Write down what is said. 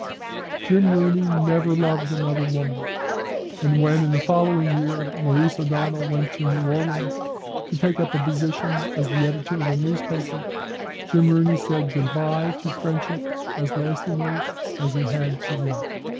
Jim Rooney never loved another woman, and when, in the following year, Maurice O'Donnell went to New Orleans to take up a position as the editor of a newspaper, Jim Rooney said good bye to friendship as lastingly as he had to love.